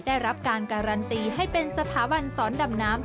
ได้รับการการันตีให้เป็นสถาบันสอนดำน้ำ